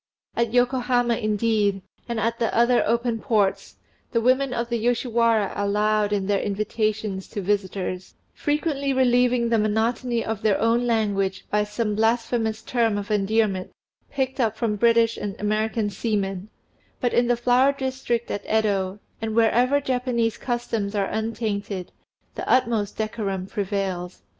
At Yokohama indeed, and at the other open ports, the women of the Yoshiwara are loud in their invitations to visitors, frequently relieving the monotony of their own language by some blasphemous term of endearment picked up from British and American seamen; but in the Flower District at Yedo, and wherever Japanese customs are untainted, the utmost decorum prevails.